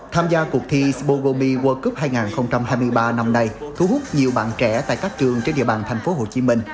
tham gia cuộc thi spogomi world cup hai nghìn hai mươi ba năm nay thu hút nhiều bạn trẻ tại các trường trên địa bàn tp hcm